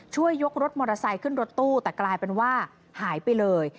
ช่วยยกรถมอเตอร์ไซค์ขึ้นรถตู้แต่กลายเป็นว่าหายไปเลย